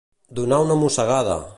Donar una mossegada.